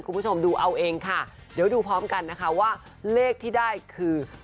คุณผู้ชมดูเอาเองค่ะเดี๋ยวดูพร้อมกันนะคะว่าเลขที่ได้คือ